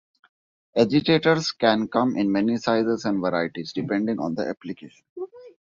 Agitators can come in many sizes and varieties, depending on the application.